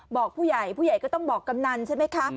บอกผู้ใหญ่ผู้ใหญ่ก็ต้องบอกกำนันใช่ไหมคะ